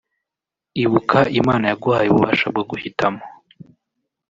Ibuka Imana yaguhaye ububasha bwo guhitamo